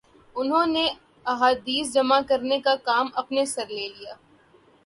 انہوں نے احادیث جمع کرنے کا کام اپنے سر لے لیا